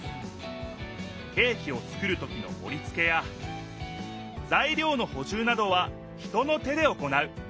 ケーキをつくる時のもりつけやざい料のほじゅうなどは人の手で行う。